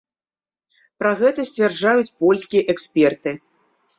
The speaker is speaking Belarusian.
Пра гэта сцвярджаюць польскія эксперты.